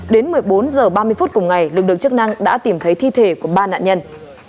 đến một mươi bốn h ba mươi phút cùng ngày lực lượng chức năng đã tìm thấy thi thể của ba nạn nhân